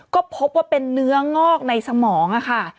ก็พบว่าเป็นเนื้องอกในสมองค่ะ